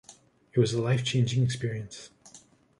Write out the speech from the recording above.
It was a life-changing experience.